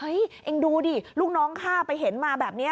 เองดูดิลูกน้องฆ่าไปเห็นมาแบบนี้